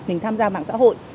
mình tham gia mạng xã hội